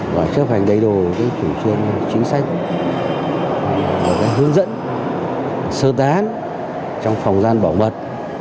và chấp hành đầy đồ chủ trương chính sách hướng dẫn sơ tán trong phòng gian bảo mật